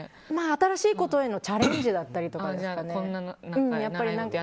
新しいことへのチャレンジだったりですかね。